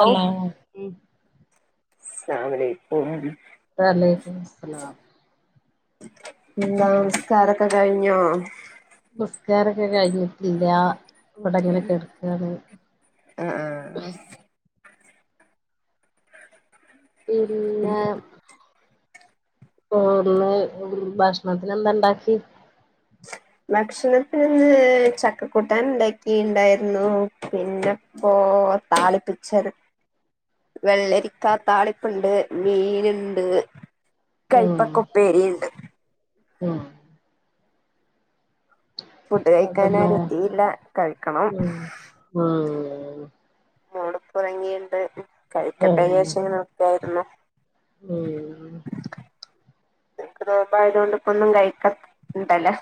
Hello ഉം അലാലക്ക [unintelligible] വല്ലൈക്കു മുസ്സലാം എന്താ നിസ്കാരൊക്കെ കഴിഞ്ഞോ? നിസ്കാരൊക്കെ കഴിഞ്ഞിട്ടില്ലാ ഇവടെങ്ങനെ കെട്ക്കാണ്. ആഹ് ആഹ് പിന്നെ പ്പോ ന്ന് ഭക്ഷണത്തിന് എന്താ ണ്ടാക്കി? ഭക്ഷണത്തിന് ന്ന് ചക്കക്കൂട്ടാൻ ഇണ്ടാക്കിണ്ടായിര്ന്നു. പിന്നെ പോ താളിപ്പിച്ചത്. വെള്ളരിക്കാ താളിപ്പ്ണ്ട് മീന്ണ്ട്. ഉം ആഹ് ഫുഡ് കഴിക്കാൻ അതന്നെ ആരും എത്തീല്ല കഴിക്കണം. ആഹ് [unintelligible] മോള് പ്പൊ ഉറങ്ങീണ്ട് കഴിക്കട്ടെ ഉം വിചാരിച്ചു ഇങ്ങനെ നിക്കായിരുന്നു. ഉം നിനക്ക് നോമ്പായതോണ്ട് ഇപ്പ ഒന്നും കഴിക്ക ണ്ടല്ലോ.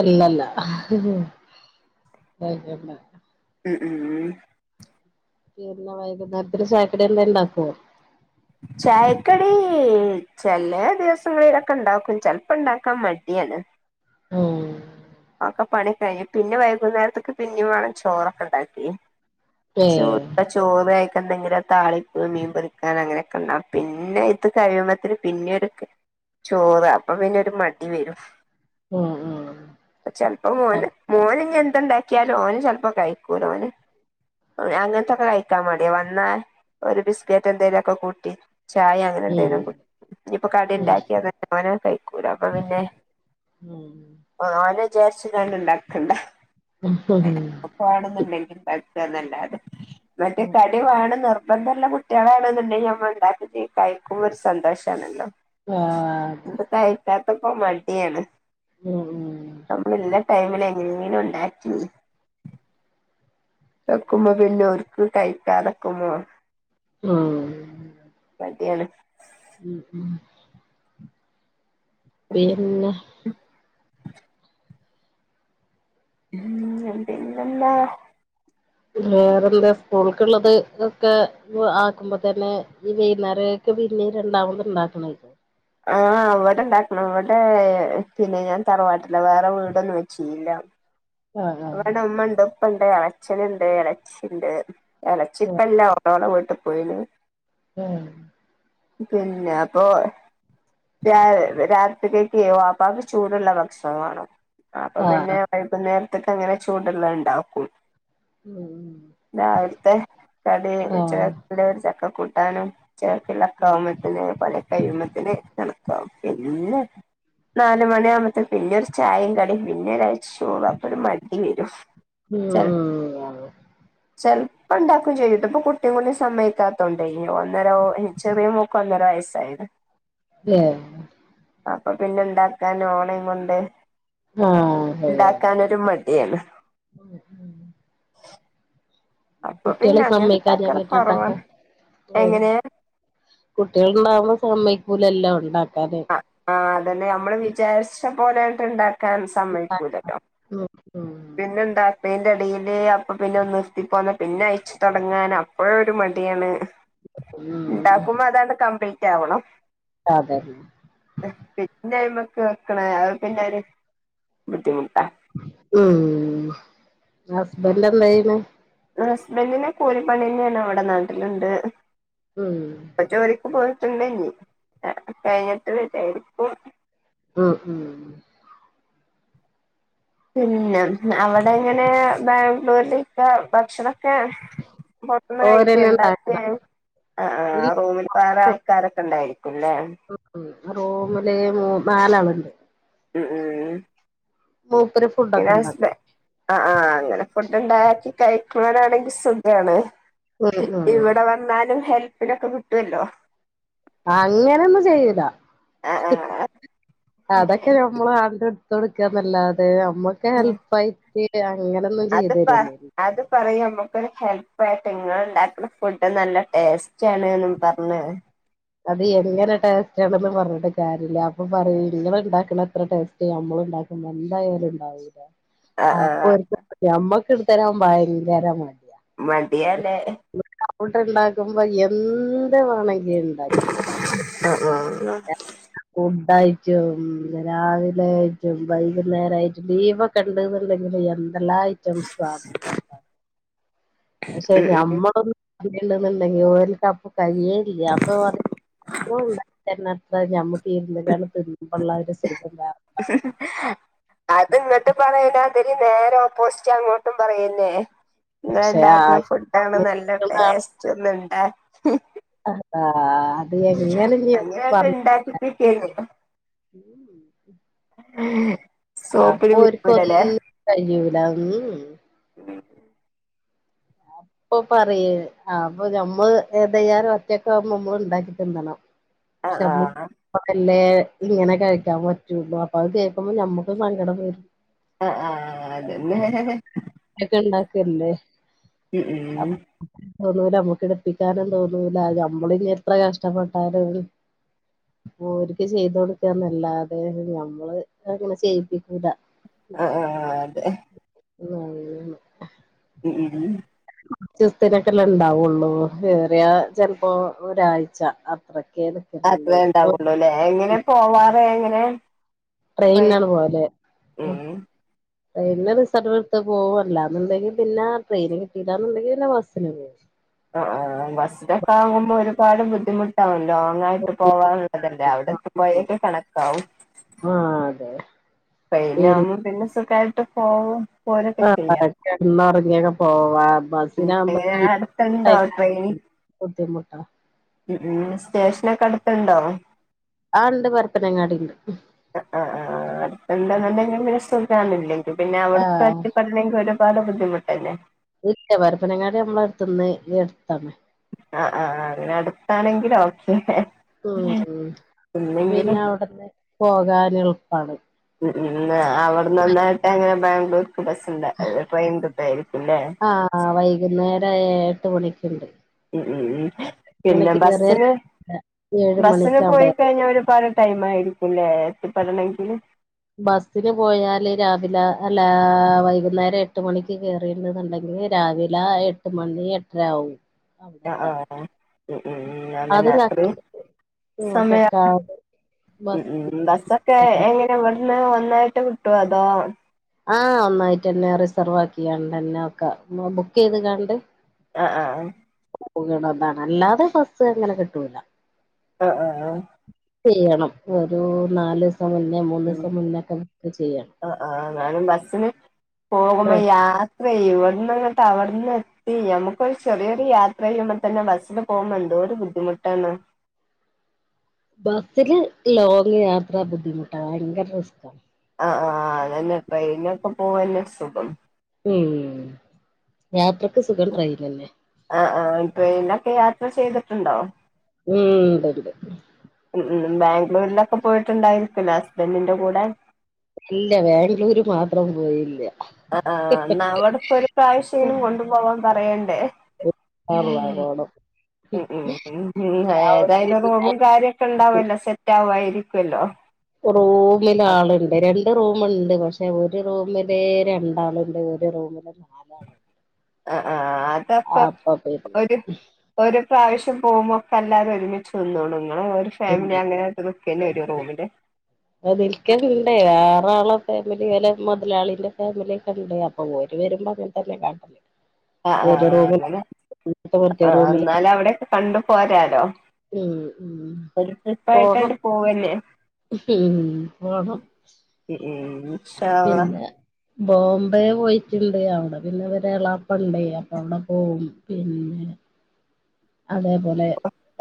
ഇല്ലല്ല കഴിക്കണ്ട. ഉം ഉം [unintelligible] വൈകുന്നേരത്തിന് ചായക്കടി എന്തേ ണ്ടാക്കോ? ചായക്കടീ ചെലെ ദിവസങ്ങളിലൊക്കെ ണ്ടാക്കും ചെൽപ്പണ്ടാക്കാൻ മടിയാണ്. ഊം. അഒക്ക പണി കഴിഞ്ഞു പിന്നെ വൈകുന്നേരത്തേക്ക് പിന്നെയും വേണം ചോറൊക്കെണ്ടാക്കി ഏഹ് ചൂടുള്ള ചോറ് ആയിക്കെ ന്തെങ്കിലും താളിപ്പ് മീൻ പൊരിക്കാന ങ്ങനെയൊക്കെണ്ടാകും പിന്നെ ത് കഴിയുമ്പോഴത്തെന് പിന്നീട് ക്കെ ചോറ് അപ്പൊ പിന്നെ ഒരു മടി വരും ഊം ചെൽപ്പം മോന് മോന് ഞ്ഞി എന്തുണ്ടാക്കിയാലും ഓന് ചെൽപ്പോ കഴിക്കൂല ഓന്. ഓന് അങ്ങൻത്തൊക്കെ കഴിക്കാൻ മടിയ വന്നാ ഒരു ബിസ്കറ്റ് എന്തെലു ഒക്കെ കൂട്ടി ചായ അങ്ങനെ ന്തെലും കുടി ഇനിയിപ്പൊ കടി ണ്ടാക്കിയ തന്നെ ഓനത് കഴിക്കൂല അപ്പൊ പിന്നെ ഉം ആഹ് ഓനെചാരിച്ച് കാണ്ട് ണ്ടാക്കണ്ട. [unintelligible] വേണോന്നുണ്ടെങ്കിൽ [unintelligible] അല്ലാതെ ന്ന്ട്ട് ആഹ് കടി വേണന്നിർ ബന്ധള്ള കുട്ടികളാണോന്നുണ്ടെങ്കി നമ്മൾ ണ്ടാക്കുന്നെ കഴിക്കുമ്പൊരു സന്തോഷാണല്ലോ ആഹ് ന്തൊ കയിക്കാത്തപ്പോ മടിയാണ് ഉം ഊം. നമ്മളുള്ള ടൈമിലെങ്ങനെങ്കിലും ണ്ടാക്കി ണ്ടാക്കുമ്പൊ വല്യോര്ക്ക് കഴിക്കാതക്കുമോ ഊം. മടിയാണ് ഉം ഉം പിന്ന [inaudible] ഉം [unintelligible] വേറെന്ത് സ്കൂൾക്കുള്ളത് ഒക്കെ വ് ആക്കുമ്പോ തന്നെ ഈ [unintelligible] ഒക്കെ പിന്നേം രണ്ടാമത് ണ്ടാക്കണം ഇത് ആഹ് വട ണ്ടാക്കണം വടേ പിന്നെ ഞാൻ തറവാട്ടില വേറെ വീടൊന്നും വെച്ചീല്ല. ആഹ് ആഹ് അവിടെ മ്മണ്ട് പ്പണ്ട് എളച്ചനുണ്ട് എളച്ചിണ്ട്. എളച്ചി പ്പല്ല ഓർ ഓൾടെ വീട്ട് പോയിന് ഏഹ് പിന്നാപ്പോ രാ രാത്രിയെക്കെ വാപ്പാക്ക് ചൂടുള്ള ഭക്ഷണം വേണം അപ്പൊ പിന്നെ ആഹ് വൈകുന്നേരത്തേക്കങ്ങനെ ചൂട് ള്ള ണ്ടാക്കും. ഉം രാവിൽത്തെ കടി ഉച്ചെ ആഹ് ല്ലെ ഒരു ചക്ക കൂട്ടാനും ചേർത്ത് [unintelligible] ക്കാ ഉം വുമ്പോത്തിന് പണി കഴിയുമ്പത്തേനെ തണു [unintelligible] പിന്നെ നാല് മണി ആകുമ്പത്തെ പിന്നൊരു ചായയും കടിയും പിന്നെ ഒരാ [unintelligible] അപ്പൊരു മടി വരും ഉം ഊം. ചെൽപ്പണ്ടാക്കും ചെയ്യുട്ടോ പ്പൊ കുട്ടിം കൂടി സമ്മയിക്കാത്തോണ്ടെ ഇ ഒന്നേരോ എ ചെറിയ മോ ക്കൊന്നര വയസ്സായത്. ല്ലേ അപ്പൊ പിന്നെന്താക്കാനാ ഓളേം കൊണ്ട്. ആ അതെ വെക്കാനൊരു മട്യണ് ഉം ഉം അപ്പൊ കുട്ട്യാള് പിന്നെ അങ്ങനെ സമ്മക്കയ്ക്കാഞാ ഉണ്ടാക്കല് പിന്നെന്താക്കാ കൊറവാണ് അ എങ്ങനെ കുട്ട്യാള്ണ്ടാവുമ്പോ സമ്മയ്ക്കൂലല്ലൊ ണ്ടാക്കാന് ആ അതെന്നെ നമ്മള് വിചാരിച്ച പോലാണ്ട് ണ്ടാക്കാൻ സമ്മയ്ക്കൂലല്ലൊ ഉം ഉം പിന്നെന്താ പ്പയ്ന്റടേല് അപ്പൊ പിന്നെ നിർത്തിപ്പോന്ന പിന്നയ്ച്ച് തൊടങ്ങാനോ അപ്പോഴും ഒരു മടിയാണ് ണ്ടാക്കുമ്പോ അതാണ്ട് കംപ്ലീറ്റാവണം അതെന്നെ പിന്നയ്മ്മക്ക് വെക്ക്‌ണെ അത് പിന്നൊരു ബുദ്ധിമുട്ടാ ഉം ഹസ്ബന്റെന്തെയ്യ്ണ് ഹസ്ബന്റിന് കൂലിപ്പണിന്നെണ് വടെ നാട്ടില്ണ്ട് ഉം പ്പൊ ജോലിക്ക് പോയിട്ട്ണ്ടേനി [unintelligible] കയ്ഞ്ട്ട് വെരാര്ക്കും ഉം ഉം പിന്നെ അവടെങ്ങനെ ബാംഗ്ലൂരിലൊക്കെ ഭക്ഷണം എ പൊർത്ത്ന്ന് കഴിക്കെ ഓരന്നെ ണ്ടാക്കെ ഉണ്ടാക്കലാ അ ഇല്ല ആ റൂ വേറെ ആൾക്കാരൊക്കെ ണ്ടായിരിക്കുംല്ലേ ഉം ഉം റൂമില് മൂ നാലാള്ണ്ട് ഉം ഉം മൂപ്പരും ന്റെ ഹസ്ബെ ആ ആ അങ്ങനെ ഫുഡ്ണ്ടാക്കി കഴിക്ക്‌നോരാണെങ്കി സുഖാണ് ഉം ഉം ഇവടെ വെന്നാലും ഹെൽപ്പിനൊക്കെ കിട്ടൊല്ലോ അങ്ങനൊന്നും ചെയ്യൂല ആ അതൊക്കെ ആ നമ്മളാണ്ട്ട്ത്തൊട്ക്ക ന്നല്ലാതെ നമ്മക്ക് ഹെൽപ്പായിട്ട് അങ്ങനെ അത്പ്പാ അത് പറയും നമ്മക്കൊരു ഹെൽപ്പായിട്ട് ഇങ്ങള്ണ്ടാക്ക്‌ണ ഫുഡ് നല്ല ടേസ്റ്റാണ്ന്നും പർഞ് അത് എങ്ങനെ ടേസ്റ്റാണെന്നും പർഞ്ട്ട് കാര്യല്ല അപ്പൊ പറയും ങ്ങള്ണ്ടാക്കണത്ര ടേസ് റ്റ് നമ്മള്ണ്ടാക്കുമ്പൊ എന്തായാലുണ്ടാവൂല്ല ആഹ് ആഹ് അപ്പൊരിക്ക [unintelligible] ഞമ്മക്ക്‌ട്ത്തെരാൻ ഭയങ്കര മട്യ മട്യ ല്ലേ [unintelligible] ണ്ടാക്കുമ്പോ എന്ത് വാണെങ്കി യ്യ് ണ്ടാക്കിക്കോ ആ ഫുഡായ്റ്റും രാവിലായ്റ്റും വൈകുന്നേരായിട്ടും ദീപ ക്കെണ്ട്ന്ന്ണ്ടെങ്കില് എന്തെല്ലാം ഐറ്റംസാ [unintelligible] പക്ഷെ ഉം ഉം ഞമ്മളൊന്നും [unintelligible] കഴിയേല്ല അപ്പൊ പറയും ഓള് ണ്ടാക്കി തെര്ണത്ര ഞമ്മക്കിര്ന്നണ്ട് തിന്ന ഒന്നായിട്ട് സുഖിക്കല്ല അത് ങ്ങട്ട് പറയും ഞാ ത്തിരി നേരെ ഓപോസ്റ്റ് അങ്ങോട്ടും പറയെന്നെ പക്ഷെ ആ ങ്ങള്ണ്ടാക്ക്‌ന്ന ഫുഡാണ് നല്ല ടേസ്റ്റ് ഒന്ന്ണ്ടാ ആ അത് എങ്ങനെ ഞ്ഞി അങ്ങനെയൊക്കെ പർ [unintelligible] ഉം സോപ്പ്ല് വീഴുലല്ലേ കയ്യൂലാ ഉം ഉം അപ്പൊ പറയേ ആ അപ്പൊ ഞമ്മള് ഏതാലും ഒറ്റക്ക് ആവുമ്പോ നമ്മള് ഉണ്ടാക്കി തിന്നണം ആഹ് ആഹ് [inaudible] അല്ലേ ഇങ്ങനെ കഴിക്കാൻ പറ്റുള്ളൂ അപ്പൊ അത് കേൾക്കുമ്പോ നമ്മക്ക് സങ്കടം വരും ആ ആ അതന്നെ ഒക്കെ ഉണ്ടാക്കല്ലേ ഉം ഉം തോന്നൂല നമ്മുക്ക് എടുപ്പിക്കാനും തോന്നൂല ഞമ്മളി ഇനി എത്ര കഷ്ടപ്പെട്ടാലും ഓര്ക്ക് ചെയ്ത് കൊടുക്കാന്നല്ലാതെ ഞമ്മള് അങ്ങനെ ചെയ്യിപ്പിക്കൂല ആ ആ അതെ ഉം അങ്ങനെ തന്നെ ഉം ഉം ഉം കുറച്ചോസ്ത്തിനൊക്കെല്ലെ ഇണ്ടാവുള്ളൂ ഏറിയ ചിലപ്പോ ഒരാഴ്ച അത്രക്കെനെ അത്രേ ഉണ്ടാവുള്ളുല്ലേ എങ്ങനെ പോവാറ് എങ്ങനെ ട്രെയിൻ ട്രെയിനിലാണ് പോവല് ഉം ട്രെയിന് റിസർവ് എടുത്ത് പോവും അല്ലാന്നുണ്ടെങ്കിൽ പിന്നെ ട്രെയിന് കിട്ടിയില്ലാന്നുണ്ടങ്കിൽ പിന്നെ ബസ്സിന് പോകും ആഹ് ആഹ് ബസിലൊക്കെ ആകുമ്പോ ഒരുപാട് ബുദ്ധിമുട്ട് ട്ടാവും ലോങ് ആയിട്ട് പോവാനുള്ളതല്ലേ അവിടെ എത്തുമ്പോഴേക്കും കണക്കാവും ആഹ് അതെ ട്രെയിനാകുമ്പോൾ പിന്നെ സുഖമായിട്ട് പോവും പോരൊക്കെ ആഹ് ചെയ്യാം കിടന്ന് ഉറങ്ങിയൊക്കെ പോവാ ഉം ബസിനാവുമ്പോൾ എങ്ങനെ അടുത്തുണ്ടോ [inaudible] ട്രെയിൻ ബുദ്ധിമുട്ടാ ഉം ഉം സ്റ്റേഷനൊക്കെ അടുത്തുണ്ടോ ആഹ് ഉണ്ട് പരപ്പനങ്ങാടി ഉണ്ട് ആഹ് ആഹ് ആഹ് അടുത്തുണ്ടെങ്കിൽ സുഖാണ് അല്ലങ്കിൽ പിന്നെ അവിടു ആഹ് അല്ലെങ്കിൽ ഒരുപാട് ബുദ്ധിമുട്ടല്ലേ ഇല്ല പരപ്പനങ്ങാടി നമ്മള അടുത്ത്ന്ന് അടുത്താണ് ആഹ് ആഹ് അങ്ങനെ അടുത്താണെങ്കില് ഓക്കെ ഉം ആഹ് പിന്നെ ഇല്ലെങ്കിലും അവിടുന്ന് പോകാനും എളുപ്പമാണ് ഉം ഉം അവിടുന്ന് തന്നെയായിട്ട് അങ്ങനെ ബാംഗ്ലൂർക്ക് ബസ്സണ്ട ട്രെയിൻ കിട്ടുമായിരിക്കുംല്ലേ ആഹ് വൈകുന്നേരം ഒരു എഴ് എട്ട് മണിക്കുണ്ട് ഉം ഉം ഉം പിന്നെ മണിക്ക് കേറിയ ബസ്സിന് ഏഴ് ബസിന് മണിക്ക് അവിടെ പോയി കഴിഞ്ഞ ഒരുപാട് ടൈം ആയിരിക്കുംല്ലേ എത്തിപ്പെടണമെങ്കിൽ ബസിന് പോയാല് രാവിലെ അല്ല വൈകുന്നേരം എട്ട് മണിക്ക് കേറിണ്ട് എന്നുണ്ടെങ്കിൽ രാവിലെ എട്ട് മണി എട്ടര ആവും ആഹ് അവിടെത്താൻ ആഹ് ഉം ഉം അതന്നെ അതും അത്രയും കക്കാട ഉം സമയമാ കക്കാട് ഉം ബസ് ഉം ബസ്സൊക്കെ എങ്ങനെ ഇവിടുന്ന് ഒന്നായിട്ട് കിട്ടുവോ അതോ ആഹ് ഒന്നായിട്ട് തന്നെ റിസർവ് ആക്കി കാണ്ട് തന്നെ ഒക്കെ ബുക്ക് ചെയ്ത് കാണ്ട് ആഹ് ആഹ് ആഹ് പോകണതാണ് അല്ലാതെ ബസ് അങ്ങനെ കിട്ടൂല ആഹ് ആഹ് ആഹ് ചെയ്യണം ഒരു നാല് ഇപ്പോ മുന്നെ മൂന്ന് ഉം ദിവസം മുന്നേക്കെ നമുക്ക് ചെയ്യാം ആ ആ ഞാനും ബസ്സിന് പോകുമ്പോ യാത്രേ ഇവിടന്ന്ങ്ങട്ട് അവിടുന്ന് ടി നമുക്കൊരു ചെറിയൊരു യാത്ര ചെയ്യുമ്പോ തന്നെ ബസ്സില് പോകുമ്പ എന്തോര് ബുദ്ധിമുട്ടാണ് ബസ്സില് ലോങ് യാത്ര ബുദ്ധിമുട്ടാ ഭയങ്കര റിസ്ക്കാ ആഹ് ആഹ് ആഹ് അതന്നെ ട്രെയിനൊക്കെ പോവാനാ സുഖം ഉം യാത്രക്ക് സുഖം ട്രെയിന് തന്നെ ആഹ് ആഹ് ട്രെയിനിലൊക്കെ യാത്ര ചെയ്തിട്ടുണ്ടോ ഉം ഉണ്ട്ണ്ട് ഉം ഉം ബാംഗ്ലൂരിലൊക്കെ പോയിട്ടുണ്ടാരിക്കുല്ലോ ഹസ്ബൻഡിന്റെ കൂടെ ഇല്ല ബാംഗ്ലൂര് മാത്രം പോയില്ല ആഹ് ആഹ് എന്നാ അവിടിപ്പോ ഒരു പ്രാവശ്യേലും ഇൻഷാ കൊണ്ടു പോവാൻ പറയണ്ടേ യാ അള്ളാ പോണം ഉം ഉം ഉം ഉം അവിടെ ഏതായാലും പിന്നെ നോമ്പും കാര്യങ്ങ- ക്കെ ഉണ്ടാവല്ലോ സെറ്റ് ആവായിരിക്കുവല്ലോ റൂമില് ആളുണ്ട് രണ് ണ്ട് റൂമുണ്ട് പക്ഷെ ഒരു റൂമിലേ രണ്ടാളുണ്ട് ഒരു റൂമില് ആഹ് ആഹ് അതപ്പൊ അപ്പോ പി ഒരു ഒരു പ്രാവശ്യം പോകുമ്പോ ഒക്കെ എല്ലാരും ഒരുമിച്ച് നിന്നോളു നിങ്ങള് ഒരു ഫാമിലി അങ്ങനെ നിക്കേണ്ടി വര്വോ റൂമില് ആഹ് നിൽക്കലുണ്ട് ആറ് ആളെ ഫാമിലി വല മുതലാളിന്റെ ഫാമിലി ഒക്കെയുണ്ട് അപ് പ്പം ഓര് വരുമ്പോ അങ്ങനെ തന്നെ കാണല് ആഹ് ആഹ് അങ്ങനെ മറ്റേ ആ റൂമില് എന്നാല് അവിടെയൊക്കെ കണ്ടു പോരാലോ ഉം ഉം ഒരു പോണം ട്രിപ്പായിട്ടാണ്ട് പോവന്നെ ഉം പോണം ഉം ഉം ഇൻഷാ അള്ളാ പിന്നെ ബോംബെ പോയിട്ടുണ്ട് അവിടെ പിന്നെ അവരെ എളാപ്പണ്ട് എപ്പാ അവിടെ പോകും പിന്നെ അതേപോലെ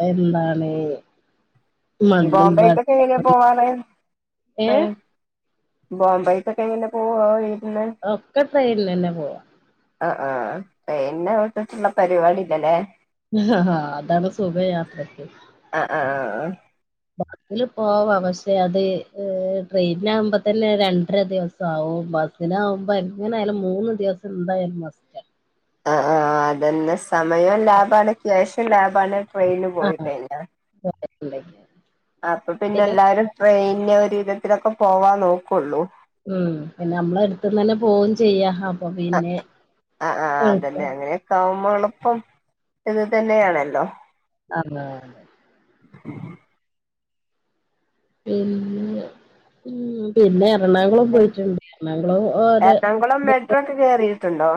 എന്താണ് ഈ മണ്ണുംപാട ബോംബെക്കൊക്കെ എങ്ങനാ പോവാറ് ഏഹ് ട്രെയിൻ ബോംബെക്കൊക്കെ എങ്ങനെ പോവാ വീട്ടില് ഒക്കെ ട്രെയിനിൽ തന്നെ പോവാ ആഹ് ആഹ് ട്രെയിനിനെ വിട്ടിട്ടുള്ള പരിപാടി ഇല്ലല്ലേ അതാണ് സുഖ യാത്ര ആഹ് ആഹ് ആഹ് ബസിൽ പോവാ പക്ഷെ അത് ട്രെയിനിൽ ആകുമ്പോ തന്നെ രണ്ടര ദിവസം ആവും ബസിനാകുമ്പോ എങ്ങനായാലും മൂന്ന് ദിവസം എന്തായാലും മസ്റ്റ് ആഹ് ആഹ് അതന്നെ സമയം ലാഭാണ് ക്യാഷും ലാഭാണ് ട്രെയിനിന് പോയി ആഹ് കഴിഞ്ഞാൽ [inaudible] അപ്പൊ പിന്നെ എല്ലാവരും ട്രെയിനിൽ ഒരു വിധത്തിലൊക്കെ പോവാൻ നോക്കുള്ളൂ ഉം പിന്നെ അമ്മളെ അടുത്തന്ന് തന്നെ പോകും ചെയ്യാം ആഹ് ആഹ് ആഹ് അതല്ലേ അങ്ങനെയൊക്കെ ആകുമ്പോ എളുപ്പം ഇത് തന്നെയാണല്ലോ അതാ പിന്നെ ഉം പിന്നെ എറണാകുളം പോയിട്ടുണ്ട് എറണാകുളവും ഓര് കയറിയിട്ടുണ്ടോ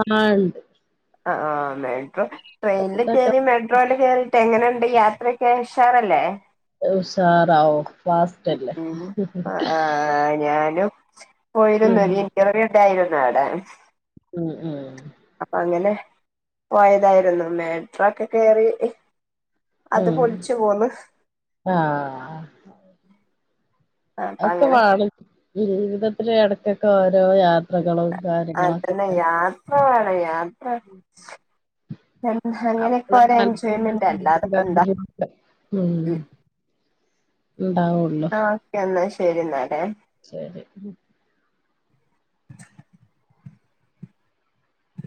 ആ ഉണ്ട് ആ ആ മെട്രോ ട്രെയിനിൽ ഇതൊക്കെ കയറി മെട്രോ മെട്രോയില് കേയറിട്ട് എങ്ങനെയുണ്ട് യാത്രക്കെ ഉഷാറല്ലേ ഉഷാറാവും ഫാസ്റ്റല്ലേ പ്പ ആ ഞാനും ഉം പോയിരുന്നു ഇന്റർവ്യൂ ഉണ്ടായിരുന്നു അവിടെ ഉം ഉം അപ്പൊ അങ്ങനെ പോയതായിരുന്നു മെട്രോക്കെ കേയറി അത് ഉം പൊളിച്ചു പോന്ന് ആഹ് അപ്പൊ അങ്ങനെ അതൊക്കെവാണ് ജീവിതത്തിലെ ഇടക്കൊക്കെ ഓരോ യാത്ര അതന്നെ യാത്ര വേണം യാത്ര അങ്ങനെക്കെ അപ്പളെ ഓരോ മനസ്സിനൊരു എൻജോയ്മെന്റ് അല്ല സുഖും അതപ്പോ എന്താ കാര്യങ്ങളൊക്കെ ഉം ഇണ്ടാവോ ആ ഓക്കെ എന്നാൽ ശരി എന്നാലേ ശരി ഉ